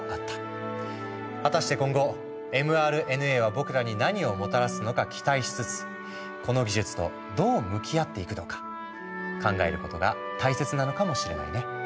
果たして今後ｍＲＮＡは僕らに何をもたらすのか期待しつつこの技術とどう向き合っていくのか考えることが大切なのかもしれないね。